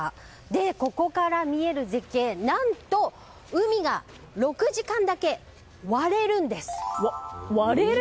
ここから見える絶景何と、海が６時間だけ割れるんです。